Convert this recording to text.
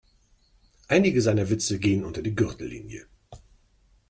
Einige seiner Witze gehen unter die Gürtellinie.